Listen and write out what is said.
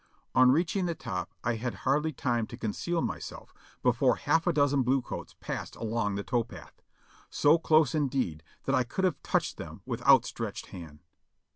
On reaching the top I had hardly time to conceal myself before half a dozen blue coats passed along the tow path, so close indeed that I could have touched them with outstretched hand.